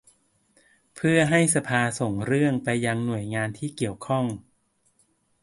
เพื่อให้สภาส่งเรื่องไปยังหน่วยงานที่เกี่ยวข้อง